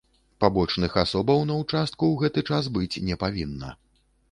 Пабочных асобаў на ўчастку ў гэты час быць не павінна.